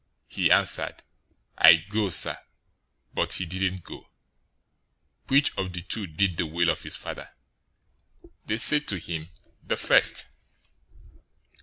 He answered, 'I go, sir,' but he didn't go. 021:031 Which of the two did the will of his father?" They said to him, "The first."